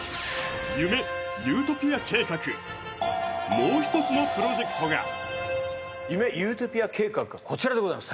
もう一つのプロジェクトが夢ユートピア計画がこちらでございます